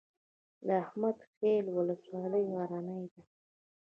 د احمد خیل ولسوالۍ غرنۍ ده